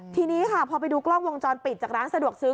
ทีนี้ค่ะพอไปดูกล้องวงจรปิดจากร้านสะดวกซื้อ